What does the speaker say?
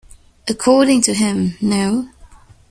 According to him, no.